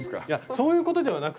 そういうことではない。